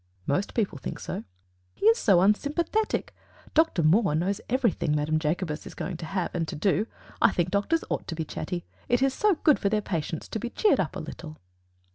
"Most people think so." "He is so unsympathetic. Doctor Moore knows everything Madame Jacobus is going to have, and to do. I think doctors ought to be chatty. It is so good for their patients to be cheered up a little."